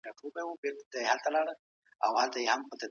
هیوادونه نړیوالو ته خپل دریځ بې له وضاحت نه نه ښيي.